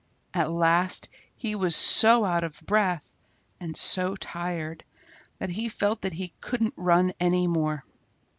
At last he was so out of breath and so tired that he felt that he couldn't run any more.